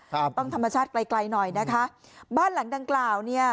ครับต้องธรรมชาติไกลไกลหน่อยนะคะบ้านหลังดังกล่าวเนี้ย